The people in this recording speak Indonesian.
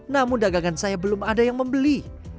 namun dagangan saya belum ada yang membeli